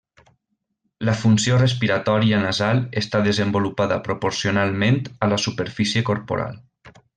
La funció respiratòria nasal està desenvolupada proporcionalment a la superfície corporal.